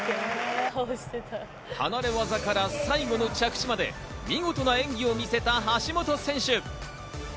離れ技から最後の着地まで、見事な演技を見せた橋本選手。